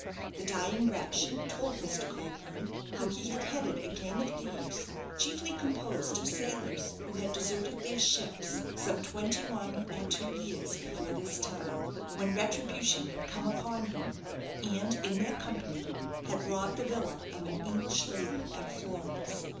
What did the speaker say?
The dying wretch told Mr. Colburne how he had headed a gang of thieves, chiefly composed of sailors who had deserted their ships, some twenty one or two years before this time, when retribution had come upon him, and in their company had robbed the villa of an English lady at Florence.